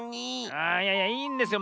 ああいやいやいいんですよ。